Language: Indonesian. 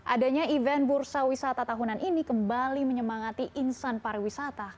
adanya event bursa wisata tahunan ini kembali menyemangati insan pariwisata